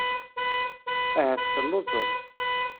Ahat telluẓeḍ.